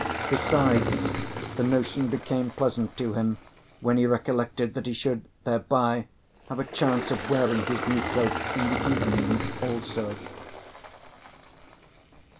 Besides, the notion became pleasant to him when he recollected that he should thereby have a chance of wearing his new cloak in the evening also.